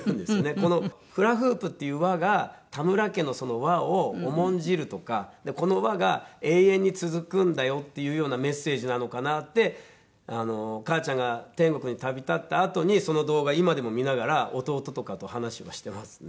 このフラフープっていう輪が田村家の輪を重んじるとかこの輪が永遠に続くんだよっていうようなメッセージなのかなって母ちゃんが天国に旅立ったあとにその動画今でも見ながら弟とかと話はしてますね。